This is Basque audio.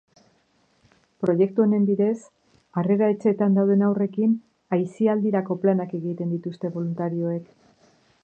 Proiektu honen bidez, harrera etxeetan dauden haurrekin aisialdirako planak egiten dituzte boluntarioek.